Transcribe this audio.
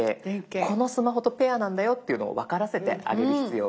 このスマホとペアなんだよっていうのを分からせてあげる必要があります。